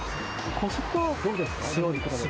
コスパはどうですか？